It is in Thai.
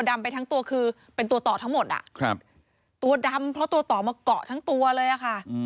ดำไปทั้งตัวคือเป็นตัวต่อทั้งหมดอ่ะครับตัวดำเพราะตัวต่อมาเกาะทั้งตัวเลยอะค่ะ